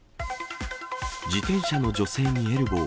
自転車の女性にエルボー。